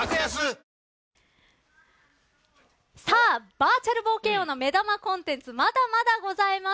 バーチャル冒険王の目玉コンテンツまだまだございます。